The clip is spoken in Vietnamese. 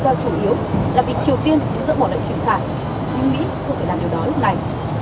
lý do chủ yếu là vì triều tiên đã giỡn bỏ lệnh trừng phạt nhưng mỹ không thể làm điều đó lúc này